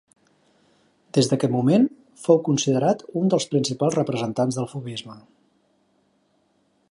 Des d'aquest moment fou considerat un dels principals representants del fauvisme.